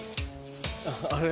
あれ？